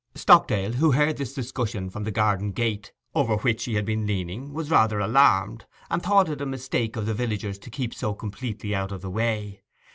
Stockdale, who heard this discussion from the garden gate, over which he had been leaning, was rather alarmed, and thought it a mistake of the villagers to keep so completely out of the way.